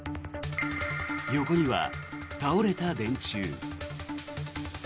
横には倒れた電柱。